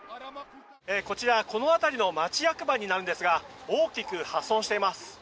こちら、この辺りの町役場になるんですが大きく破損しています。